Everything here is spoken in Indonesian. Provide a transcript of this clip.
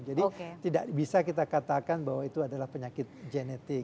jadi tidak bisa kita katakan bahwa itu adalah penyakit genetik